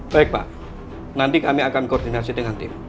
baik pak nanti kami akan koordinasi dengan tim